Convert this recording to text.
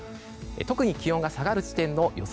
特に気温が下がる地点の予想